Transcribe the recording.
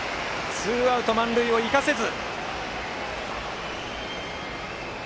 ツーアウト満塁を生かせず。